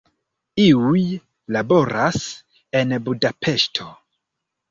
Iuj laboras en Budapeŝto.